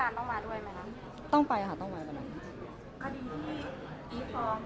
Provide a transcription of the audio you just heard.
อเรนนี่มีหลังไม้ไม่มี